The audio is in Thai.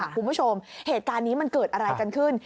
คุณผู้ชมเหตุการณ์นี้มันเกิดอะไรกันขึ้น